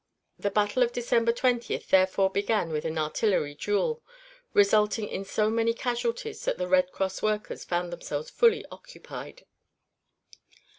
The battle of December twentieth therefore began with an artillery duel, resulting in so many casualties that the Red Cross workers found themselves fully occupied.